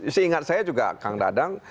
seingat saya juga kang dadang